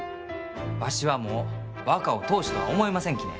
わしは、もう若を当主とは思いませんきね。